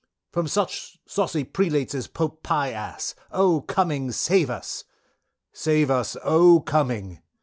_ "From such saucy Prelates, as Pope Pi ass. Oh! Cumming save us. "_Save us good Cumming.